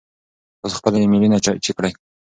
تاسو خپل ایمیلونه چیک کړئ.